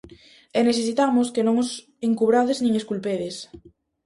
E necesitamos que non os encubrades nin exculpedes.